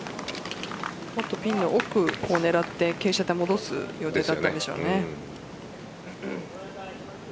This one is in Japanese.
もっとピンの奥、狙って傾斜で戻す予定だったでしょうね。